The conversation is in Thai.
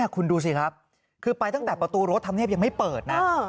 คุณดูสิครับคือไปตั้งแต่ประตูรถธรรมเนียบยังไม่เปิดนะ